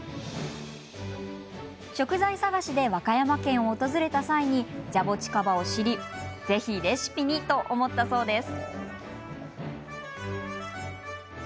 食材探しで和歌山県を訪れた際ジャボチカバを知りぜひレシピに、と思ったそうです。